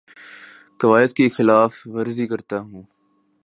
قوائد کی خلاف ورزی کرتا ہوں